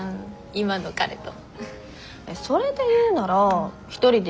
今の彼と。